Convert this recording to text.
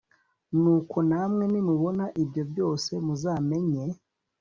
nuko namwe nimubona ibyo byose muzamenye